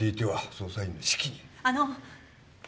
あの！